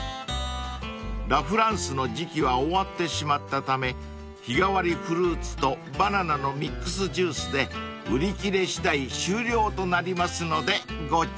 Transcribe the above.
［ラフランスの時季は終わってしまったため日替わりフルーツとバナナのミックスジュースで売り切れ次第終了となりますのでご注意を］